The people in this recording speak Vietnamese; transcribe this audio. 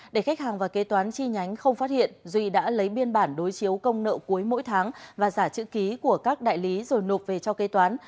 để khách hàng và kế toán chi nhánh không phát hiện duy đã lấy biên bản đối chiếu công nợ cuối mỗi tháng và giả chữ ký của các đại lý rồi nộp về cho kế toán